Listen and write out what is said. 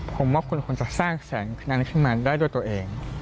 ผมมอบคุณคุณจะสร้างแสงขึ้นมาได้ด้วยตัวเอง